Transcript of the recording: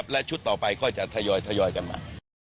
และชุดต่อไปก็จะทยอยกันมา